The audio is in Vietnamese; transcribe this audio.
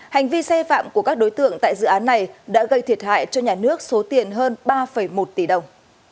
hành vi sai phạm của các đối tượng tại dự án này đã gây thiệt hại cho nhà nước số tiền hơn ba một tỷ đồng